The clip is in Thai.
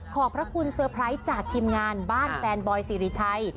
ขอบพระคุณเซอร์ไพรส์จากทีมงานบ้านแฟนบอยสิริชัย